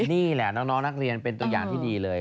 นี่แหละน้องนักเรียนเป็นตัวอย่างที่ดีเลย